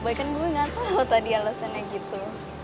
gue kan nggak tahu tadi alasannya gitu